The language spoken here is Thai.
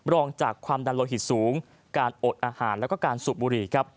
รองจากความดันโลหิตสูงการอดอาหารแล้วก็การสูบบุหรี่ครับ